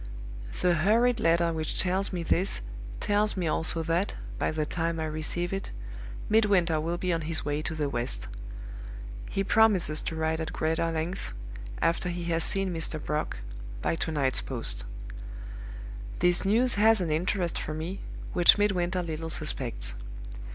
"The hurried letter which tells me this tells me also that, by the time I receive it, Midwinter will be on his way to the West. He promises to write at greater length, after he has seen Mr. Brock, by to night's post. "This news has an interest for me, which Midwinter little suspects.